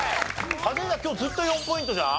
カズレーザー今日ずっと４ポイントじゃん？